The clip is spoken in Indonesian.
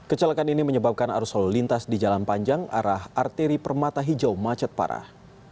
kecelakaan ini menyebabkan arus lalu lintas di jalan panjang arah arteri permata hijau macet parah